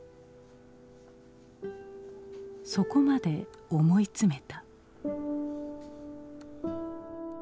そこまで思い詰めた。